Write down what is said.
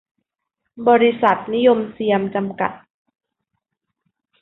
บริษัท นิยมเซียม จำกัด